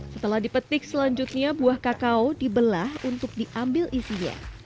setelah dipetik selanjutnya buah kakao dibelah untuk diambil isinya